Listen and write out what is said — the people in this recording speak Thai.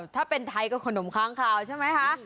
ถ้าเป็นไทยก็ขนมค้างคาวใช่ไหมคะ